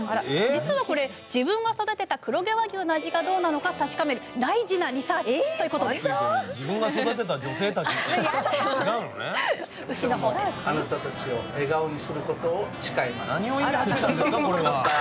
実はこれ自分が育てた黒毛和牛の味がどうなのか確かめる大事なリサーチということです何を言ってるんですかこれは。